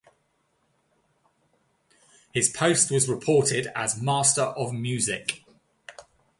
His post was reported as 'Master of Musick'.